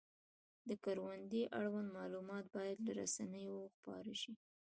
د کروندې اړوند معلومات باید له رسنیو خپاره شي.